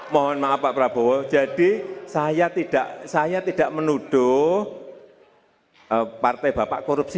mohon maaf pak prabowo jadi saya tidak saya tidak menuduh partai bapak korupsi